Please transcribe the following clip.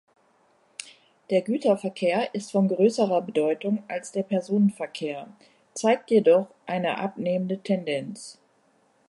Der Güterverkehr ist von größerer Bedeutung als der Personenverkehr, zeigt jedoch eine abnehmende Tendenz.